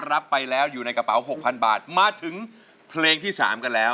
รับไปแล้วอยู่ในกระเป๋า๖๐๐๐บาทมาถึงเพลงที่๓กันแล้ว